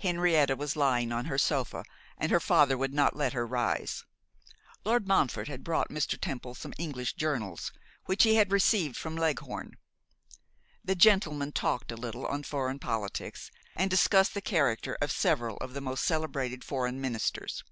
Henrietta was lying on her sofa, and her father would not let her rise. Lord Montfort had brought Mr. Temple some English journals, which he had received from Leghorn. The gentlemen talked a little on foreign politics; and discussed the character of several of the most celebrated foreign ministers.